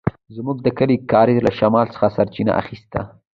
زموږ د کلي کاریز له شمال څخه سرچينه اخيسته.